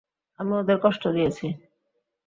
আমি ওদের কষ্ট দিয়েছি।